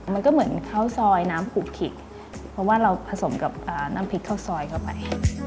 มันก็เหมือนข้าวซอยน้ำผูกขิกเพราะว่าเราผสมกับน้ำพริกข้าวซอยเข้าไป